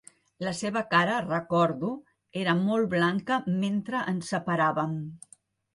La seva cara, recordo, era molt blanca mentre ens separàvem.